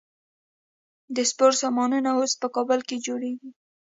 د سپورت سامانونه اوس په کابل کې جوړیږي.